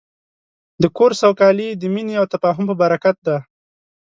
د کور سوکالي د مینې او تفاهم په برکت ده.